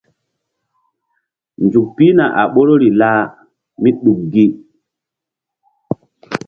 Nzuk puh a ɓoruri lah mí ɗuk gi.